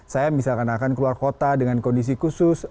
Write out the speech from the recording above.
saya misalkan akan keluar kota dengan kondisi khusus